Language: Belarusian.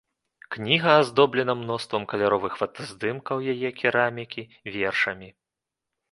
Кніга аздоблена мноствам каляровых фотаздымкаў яе керамікі, вершамі.